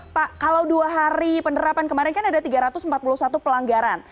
pak kalau dua hari penerapan kemarin kan ada tiga ratus empat puluh satu pelanggaran